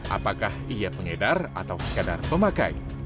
apakah ia pengedar atau sekadar pemakai